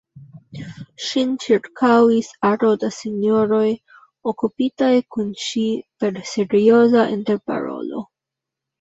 Ŝin ĉirkaŭis aro da sinjoroj, okupitaj kun ŝi per serioza interparolo.